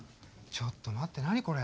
ちょっと待って何これ？